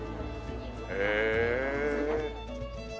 へえ。